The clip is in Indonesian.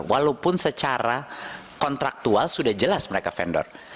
walaupun secara kontraktual sudah jelas mereka vendor